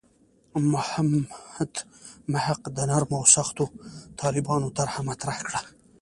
محمد محق د نرمو او سختو طالبانو طرح مطرح کړه.